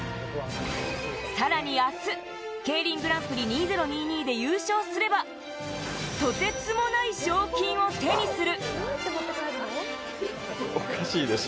さらに明日、ＫＥＩＲＩＮグランプリ２０２２で優勝すれば、とてつもない賞金を手にする。